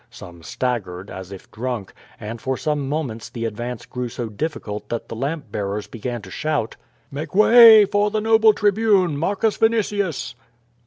Some staggered, as if drunk, and for some moments the advance grew so difficult that the lamp bearers began to shout: "Make way for the noble tribune, Marcus Vinitius!''